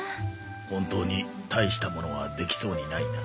本当に大したものはできそうにないな。